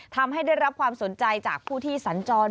ทำให้ได้รับความสนใจจากผู้ที่สัญจร